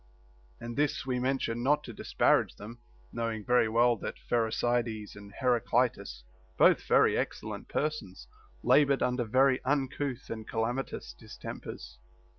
And this we mention not to disparage them, knowing very well that Plierecydes and Heraclitus, both very excel lent persons, labored under very uncouth and calamitous distempers.